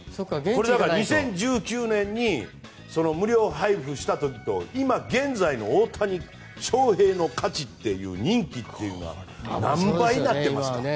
２０１９年に無料配布した時と今、現在の大谷翔平の価値っていう人気というのは何倍になっていますか。